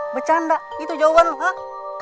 bercanda itu jawaban lu hah